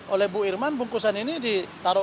oleh bu irman bungkusan ini ditaruh